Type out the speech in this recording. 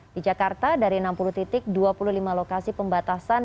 di jakarta dari enam puluh titik dua puluh lima lokasi pembatasan